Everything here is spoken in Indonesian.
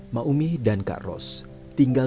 maumi dan kak ros tinggal